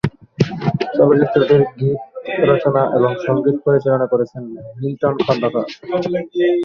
চলচ্চিত্রটির গীত রচনা এবং সঙ্গীত পরিচালনা করেছেন মিল্টন খন্দকার।